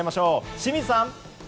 清水さん。